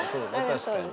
確かに。